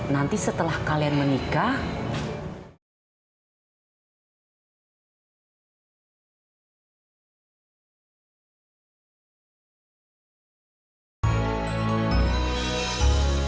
nanti setelah kalian menikah